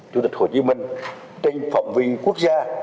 chủ tịch hồ chí minh trên phòng viên quốc gia